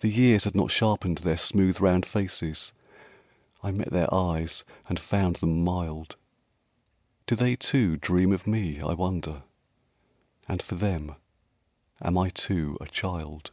The years had not sharpened their smooth round faces, I met their eyes and found them mild Do they, too, dream of me, I wonder, And for them am I too a child?